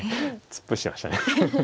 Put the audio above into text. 突っ伏してましたね。